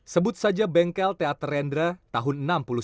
sebut saja bengkel teater rendra tahun seribu sembilan ratus sembilan puluh